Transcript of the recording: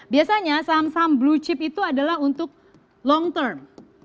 biasanya saham saham blue chip itu adalah untuk long term